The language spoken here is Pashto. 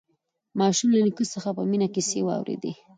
ماشوم له نیکه څخه په مینه کیسې واورېدې